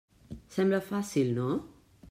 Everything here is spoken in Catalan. Sembla fàcil, no?